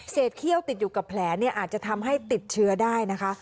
เขี้ยวติดอยู่กับแผลเนี่ยอาจจะทำให้ติดเชื้อได้นะคะ